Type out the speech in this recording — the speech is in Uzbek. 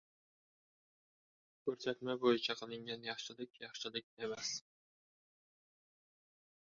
Ko‘rsatma bo‘yicha qilingan yaxshilik — yaxshilik emas.